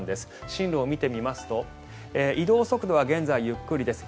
進路を見てみますと移動速度は現在ゆっくりです。